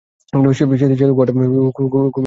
সে গুহাটা খুবই ভালো করে জানতো।